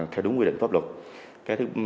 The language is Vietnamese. theo đúng quy định pháp luật